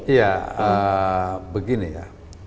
ya begini ya